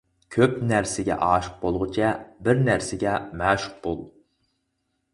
كۆپ نەرسىگە ئاشىق بولغۇچە، بىر نەرسىگە مەشۇق بول.